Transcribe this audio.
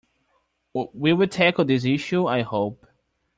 We will tackle this issue, I hope.